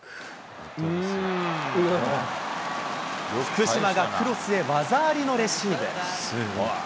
福島がクロスへ技ありのレシーブ。